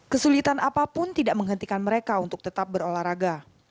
kesulitan apapun tidak menghentikan mereka untuk tetap berolahraga